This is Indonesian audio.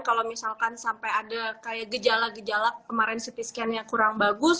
kalau misalkan sampai ada kayak gejala gejala kemarin ct scan nya kurang bagus